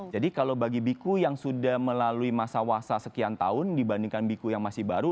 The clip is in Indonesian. jadi kalau bagi biku yang sudah melalui masa wasa sekian tahun dibandingkan biku yang masih baru